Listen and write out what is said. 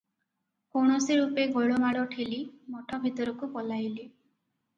କୌଣସି ରୂପେ ଗୋଳମାଳ ଠେଲି ମଠ ଭିତରକୁ ପଳାଇଲେ ।